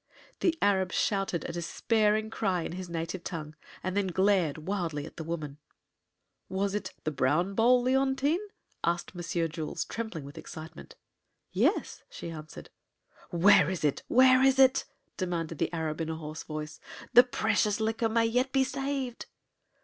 The Arab shouted a despairing cry in his native tongue and then glared wildly at the woman. "Was it the brown bowl, Leontine?" asked Monsieur Jules, trembling with excitement. "Yes," she answered. "Where is it? Where is it?" demanded the Arab, in a hoarse voice. "The precious liquor may yet be saved."